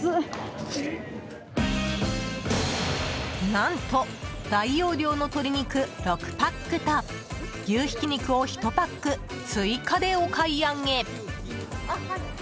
何と大容量の鶏肉６パックと牛ひき肉を１パック追加でお買い上げ。